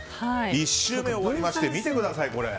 １周目を終わりまして見てください。